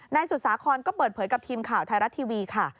สุสาครก็เปิดเผยกับทีมข่าวไทยรัฐทีวีค่ะ